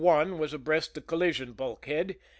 1 was abreast the collision bulkhead.